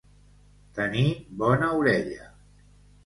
Tenir bona orella.